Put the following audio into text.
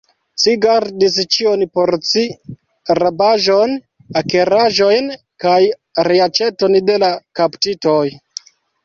Ci gardis ĉion por ci, rabaĵon, akiraĵojn, kaj reaĉeton de la kaptitoj!